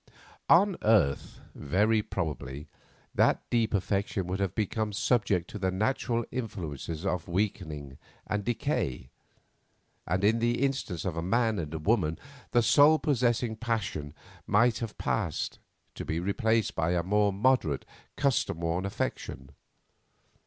On earth, very probably, that deep affection would have become subject to the natural influences of weakening and decay; and, in the instance of a man and woman, the soul possessing passion might have passed, to be replaced by a more moderate, custom worn affection.